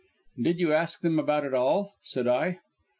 "Did you ask them about it all?" said I.